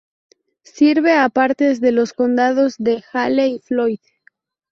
Sirve a partes de los condados de Hale y Floyd.